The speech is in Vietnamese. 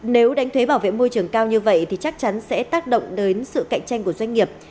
nếu đánh thuế bảo vệ môi trường cao như vậy thì chắc chắn sẽ tác động đến sự cạnh tranh của doanh nghiệp